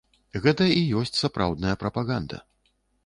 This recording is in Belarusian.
Гэта і ёсць сапраўдная прапаганда.